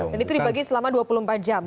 dan itu dibagi selama dua puluh empat jam memasak